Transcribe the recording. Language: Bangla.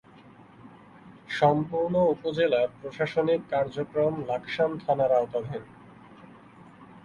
সম্পূর্ণ উপজেলার প্রশাসনিক কার্যক্রম লাকসাম থানার আওতাধীন।